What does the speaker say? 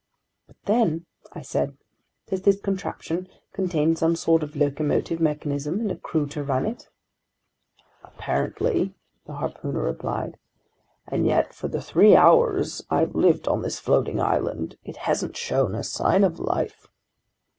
"But then," I said, "does this contraption contain some sort of locomotive mechanism, and a crew to run it?" "Apparently," the harpooner replied. "And yet for the three hours I've lived on this floating island, it hasn't shown a sign of life."